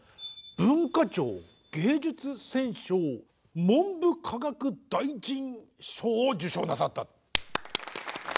文化庁芸術選奨文部科学大臣賞を受賞なさった。